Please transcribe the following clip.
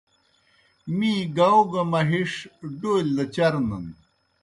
می گاؤ گہ مہِݜ ڈولیْ دہ چرنَن۔